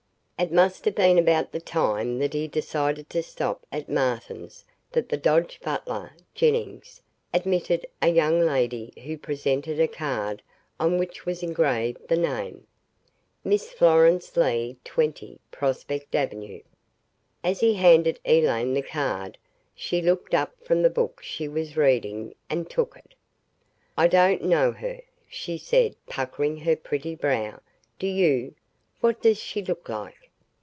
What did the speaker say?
It must have been about the time that he decided to stop at Martin's that the Dodge butler, Jennings, admitted a young lady who presented a card on which was engraved the name Miss FLORENCE LEIGH 20 Prospect Avenue. As he handed Elaine the card, she looked up from the book she was reading and took it. "I don't know her," she said puckering her pretty brow. "Do you? What does she look like?"